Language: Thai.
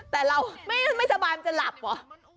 แต่เราไม่สบายจะหลับเหรอ